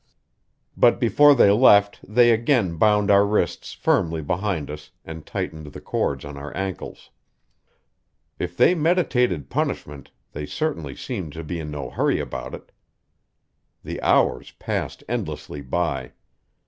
But before they left they again bound our wrists firmly behind us, and tightened the cords on our ankles. If they meditated punishment they certainly seemed to be in no hurry about it. The hours passed endlessly by.